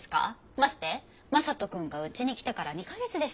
まして正門君がうちに来てから２か月でしたっけ？